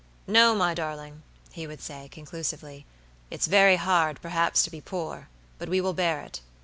"No my darling," he would say, conclusively. "It's very hard, perhaps, to be poor, but we will bear it.